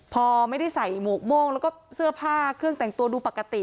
พอไม่ได้ใส่หมวกโม่งแล้วก็เสื้อผ้าเครื่องแต่งตัวดูปกติ